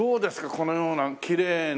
このようなきれいな。